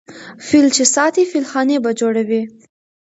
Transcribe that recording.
ـ فيل چې ساتې فيلخانې به جوړوې.